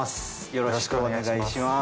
よろしくお願いします。